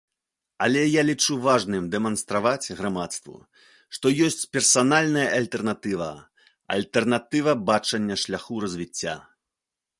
Але я лічу важным дэманстраваць грамадству, што ёсць персанальная альтэрнатыва, альтэрнатыва бачання шляху развіцця.